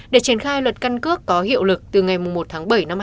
để triển khai luật căn cước có hiệu lực từ ngày một tháng bảy năm hai nghìn hai mươi bốn